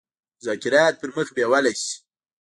مذاکرات پر مخ بېولای سي.